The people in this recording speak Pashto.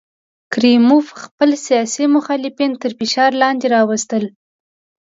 کریموف خپل سیاسي مخالفین تر فشار لاندې راوستل.